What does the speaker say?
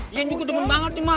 iyan juga demen banget nih mak